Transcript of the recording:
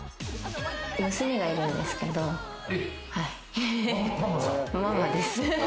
娘がいるんですけどママです。